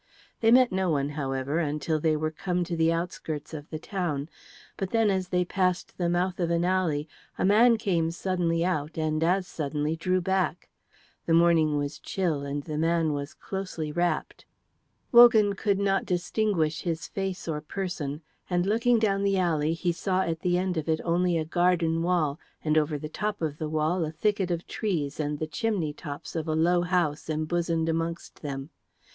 They met no one, however, until they were come to the outskirts of the town. But then as they passed the mouth of an alley a man came suddenly out and as suddenly drew back. The morning was chill, and the man was closely wrapped. Wogan could not distinguish his face or person, and looking down the alley he saw at the end of it only a garden wall, and over the top of the wall a thicket of trees and the chimney tops of a low house embosomed amongst them.